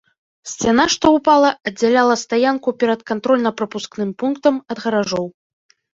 Сцяна, што ўпала, аддзяляла стаянку перад кантрольна-прапускным пунктам ад гаражоў.